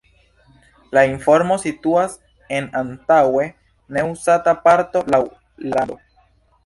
La informo situas en antaŭe ne-uzata parto laŭ la rando.